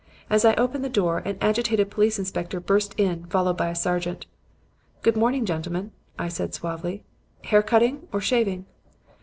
As I opened the door, an agitated police inspector burst in, followed by a sergeant. "'Good morning, gentlemen,' I said suavely. 'Hair cutting or shaving?'